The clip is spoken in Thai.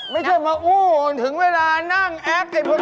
ไม่ใช่มาอู้ถึงเวลานั่งแอปไอ้พวกนี้